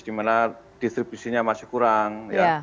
dimana distribusinya masih kurang